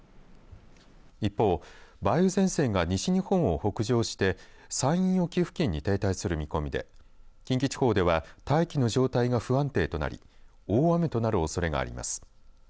一方、梅雨前線が西日本を北上して山陰沖付近に停滞する見込みで近畿地方では大気の状態が不安定となり大雨となるおそれがあります。